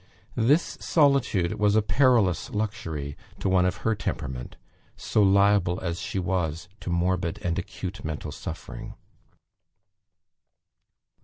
This solitude was a perilous luxury to one of her temperament; so liable as she was to morbid and acute mental suffering.